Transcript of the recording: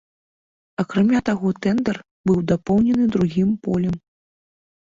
Акрамя таго, тэндэр быў дапоўнены другім полем.